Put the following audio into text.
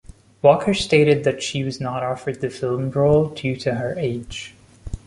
Walker stated that she was not offered the film role due to her age.